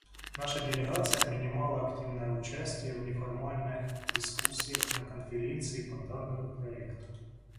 Наша делегация принимала активное участие в неформальных дискуссиях на Конференции по данному проекту.